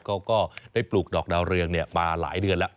ก็ได้ปลูกดอกดาวเรืองมาหลายเดือนแล้ว